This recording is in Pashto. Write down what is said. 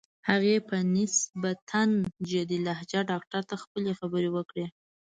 هغې په نسبتاً جدي لهجه ډاکټر ته خپلې خبرې وکړې.